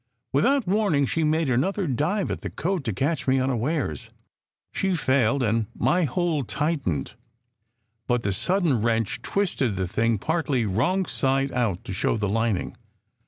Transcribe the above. Without warning she made another dive at the coat to catch me unawares. She failed and my hold tightened; 298 SECRET HISTORY but the sudden wrench twisted the thing partly wrong side out, to show the lining.